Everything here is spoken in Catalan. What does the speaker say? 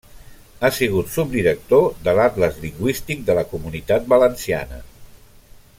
Ha sigut subdirector de l'Atles Lingüístic de la Comunitat Valenciana.